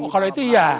kalau itu iya